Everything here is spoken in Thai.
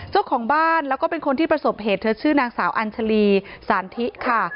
เจ้าของบ้านแล้วก็เป็นคนที่ประสบเหตุเธอชื่อนางสาวอัญชาลีสานทิค่ะ